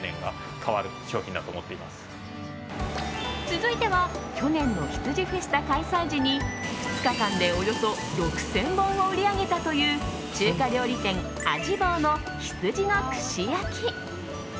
続いては去年の羊フェスタ開催時に２日間で、およそ６０００本を売り上げたという中華料理店、味坊の羊の串焼き。